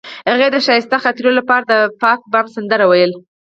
هغې د ښایسته خاطرو لپاره د پاک بام سندره ویله.